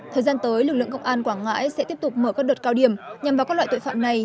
thời gian tới lực lượng công an quảng ngãi sẽ tiếp tục mở các đợt cao điểm nhằm vào các loại tội phạm này